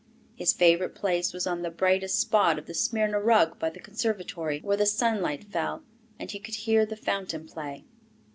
His favourite place was on the brightest spot of a Smyrna rug by the conservatory, where the sunlight fell and he could hear the fountain play.